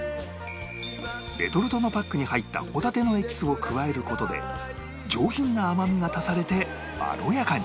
レトルトのパックに入ったホタテのエキスを加える事で上品な甘みが足されてまろやかに